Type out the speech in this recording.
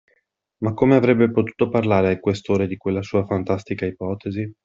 Ma come avrebbe potuto parlare al Questore di quella sua fantastica ipotesi?